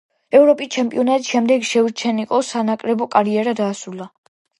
ევროპის ჩემპიონატის შემდეგ შევჩენკომ სანაკრებო კარიერა დაასრულა.